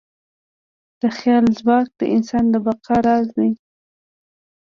د خیال ځواک د انسان د بقا راز دی.